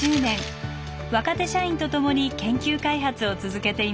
若手社員とともに研究・開発を続けています。